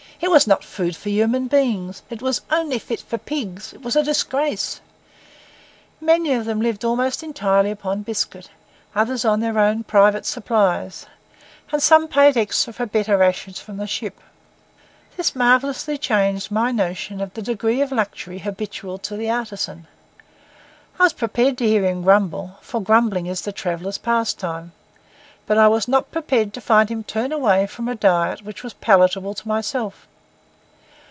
It was not 'food for human beings,' it was 'only fit for pigs,' it was 'a disgrace.' Many of them lived almost entirely upon biscuit, others on their own private supplies, and some paid extra for better rations from the ship. This marvellously changed my notion of the degree of luxury habitual to the artisan. I was prepared to hear him grumble, for grumbling is the traveller's pastime; but I was not prepared to find him turn away from a diet which was palatable to myself.